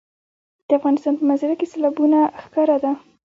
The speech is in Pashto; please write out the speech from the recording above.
د افغانستان په منظره کې سیلابونه ښکاره ده.